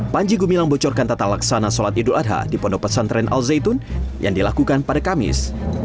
panji gumilang bocorkan tata laksana sholat idul adha di pondok pesantren al zaitun yang dilakukan pada kamis